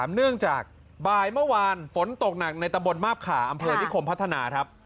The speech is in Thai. เนื่องจากบ่ายเมื่อวานฝนตกหนักในตำบลมาบขาอำเภอนิคมพัฒนาครับ